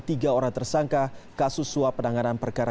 tiga orang tersangka kasus suap penanganan perkara